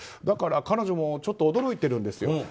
だから彼女もちょっと驚いてるんですよ。